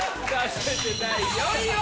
続いて第４位は？